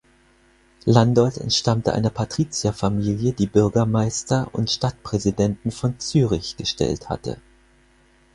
Landolt entstammte einer Patrizierfamilie, die Bürgermeister und Stadtpräsidenten von Zürich gestellt hatte.